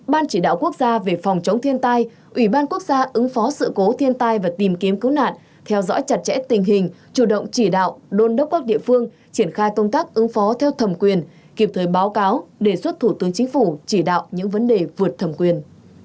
ban chỉ đạo quốc gia về phòng chống thiên tai ủy ban quốc gia ứng phó sự cố thiên tai và tìm kiếm cứu nạn theo dõi chặt chẽ tình hình chủ động chỉ đạo đôn đốc các địa phương triển khai công tác ứng phó theo thẩm quyền kịp thời báo cáo đề xuất thủ tướng chính phủ chỉ đạo những vấn đề vượt thẩm quyền